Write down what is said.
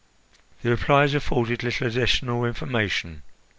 The replies afforded little additional information.